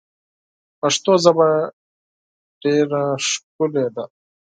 پښتو ژبه ډیر ښکلی ده.